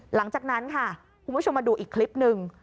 หลังจากนั้นค่ะคุณผู้ชมมาดูอีกคลิปหนึ่ง